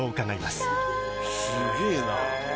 すげえな。